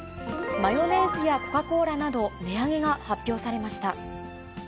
マヨネーズやコカ・コーラなど、値上げが発表されました。